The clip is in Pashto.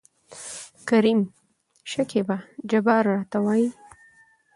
کريم : شکيبا جبار راته وايي.